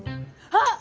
あっ！